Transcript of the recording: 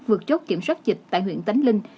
vượt chốt kiểm soát dịch tại huyện tánh linh